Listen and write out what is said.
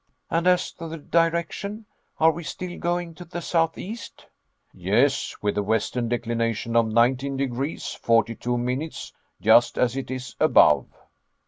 "And as to the direction are we still going to the southeast?" "Yes, with a western declination of nineteen degrees, forty two minutes, just as it is above.